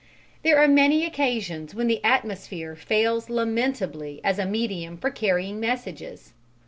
There are many occasions when the atmosphere fails lamentably as a medium for carrying messages.